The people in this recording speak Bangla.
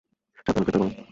সাবধানে, প্লেটটা গরম।